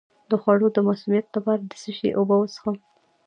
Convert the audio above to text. د خوړو د مسمومیت لپاره د څه شي اوبه وڅښم؟